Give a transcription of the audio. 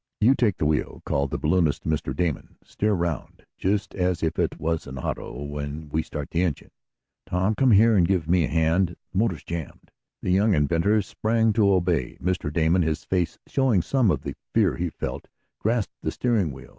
"You take the wheel," called the balloonist to Mr. Damon. "Steer around, just as if it was an auto when we start the engine. Tom, come here and give me a hand. The motor has jammed!" The young inventor sprang to obey. Mr. Damon, his face showing some of the fear he felt, grasped the steering wheel.